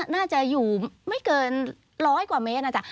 น่าจะอยู่ไม่เกินร้อยกว่าเมตรนะจ๊ะ